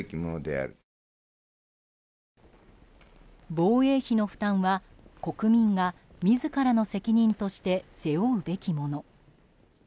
防衛費の負担は国民が自らの責任として背負うべきもの。